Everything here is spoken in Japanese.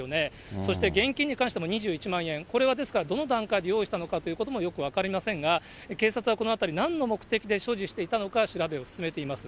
そして現金に関しても２１万円、これは、ですからどの段階で用意したのかということもよく分かりませんが、警察はこのあたり、なんの目的で所持していたのか、調べを進めています。